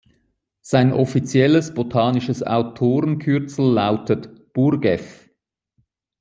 Sein offizielles botanisches Autorenkürzel lautet „Burgeff“.